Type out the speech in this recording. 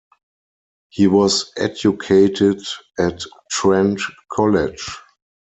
He was educated at Trent College.